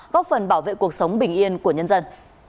góp phần bảo vệ cuộc sống bình yên của nhân dân